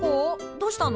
どうしたの？